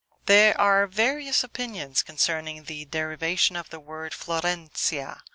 There are various opinions concerning the derivation of the word Florentia.